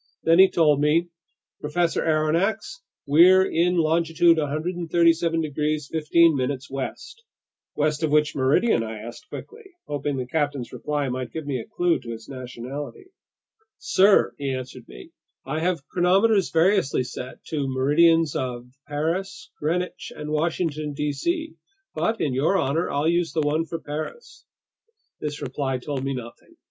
Then he told me: "Professor Aronnax, we're in longitude 137 degrees 15' west—" "West of which meridian?" I asked quickly, hoping the captain's reply might give me a clue to his nationality. "Sir," he answered me, "I have chronometers variously set to the meridians of Paris, Greenwich, and Washington, D.C. But in your honor, I'll use the one for Paris." This reply told me nothing.